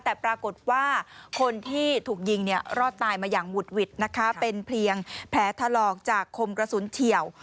แต่ปรากฏว่าคนที่ถูกยิงเนี่ยรอดตายมาอย่างหุดหวิดนะคะเป็นเพียงแผลถลอกจากคมกระสุนเฉียว